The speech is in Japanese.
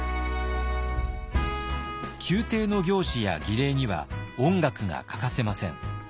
宮廷の行事や儀礼には音楽が欠かせません。